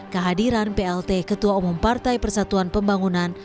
kehadiran plt ketua umum partai persatuan pembangunan